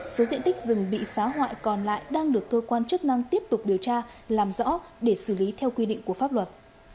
số diện tích rừng bị phá hoại còn lại đang được cơ quan chức năng tiếp tục điều tra làm rõ để xử lý theo quy định của pháp luật